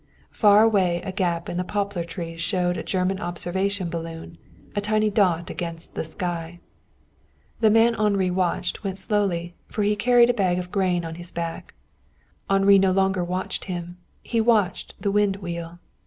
Far away a gap in the poplar trees showed a German observation balloon, a tiny dot against the sky. The man Henri watched went slowly, for he carried a bag of grain on his back. Henri no longed watched him, He watched the wind wheel.